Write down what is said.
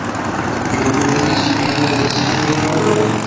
Yiwen ur izmir ad as-yini awal.